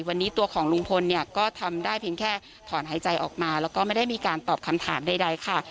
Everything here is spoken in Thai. วันนี้ตัวของลุงพลเนี่ยก็ทำได้เพียงแค่ถอนหายใจออกมาแล้วก็ไม่ได้มีการตอบคำถามใดค่ะ